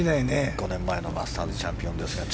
５年前のマスターズチャンピオンです。